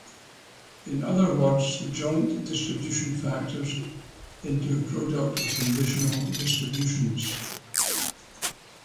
In other words, the joint distribution factors into a product of conditional distributions.